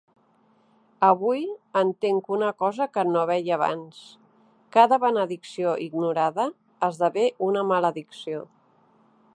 Avui, entenc una cosa que no veia abans: cada benedicció ignorada esdevé una maledicció.